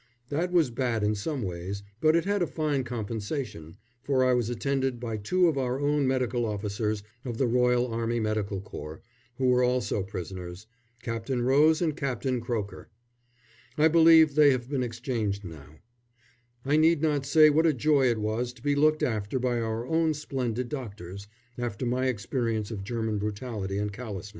That was bad in some ways, but it had a fine compensation, for I was attended by two of our own medical officers of the Royal Army Medical Corps who were also prisoners Captain Rose and Captain Croker. I believe they have been exchanged now. I need not say what a joy it was to be looked after by our own splendid doctors, after my experience of German brutality and callousness. [Illustration: _To face p.